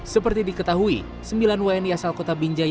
seperti diketahui sembilan wni asal kota binjai